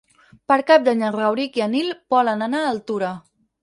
Per Cap d'Any en Rauric i en Nil volen anar a Altura.